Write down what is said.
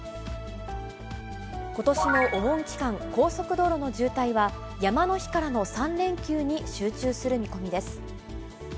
ことしのお盆期間、高速道路の渋滞は、山の日からの３連休に集中する見込みです。